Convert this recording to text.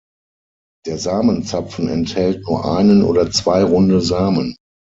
Der Samenzapfen enthält nur einen oder zwei runde Samen.